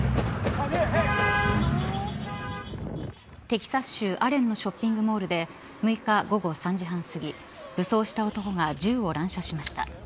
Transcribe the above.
テキサス州アレンのショッピングモールで６日午後３時半すぎ武装した男が銃を乱射しました。